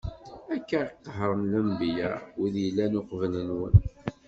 Akka i qehren lenbiya, wid yellan uqbel-nwen.